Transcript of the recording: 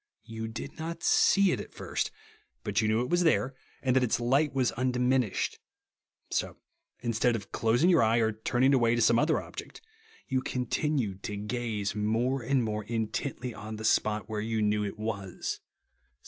You did not see it at first, but you knew it was there, and that its light was undi minished. So, instead of closing your eye or turning away to some other object, you continued to gaze more and more intently on the spot w^here you knew it was.